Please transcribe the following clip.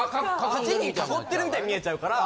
８人囲ってるみたいに見えちゃうから。